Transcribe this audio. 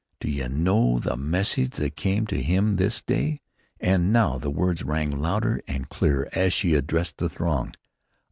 D'you know the message that came to him this day?" And now the words rang louder and clearer, as she addressed the throng.